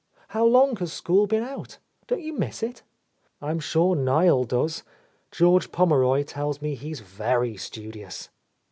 How long has school been out? Don't you miss it? I'm sure Niel does. Judge Pommeroy tells me he's very studious."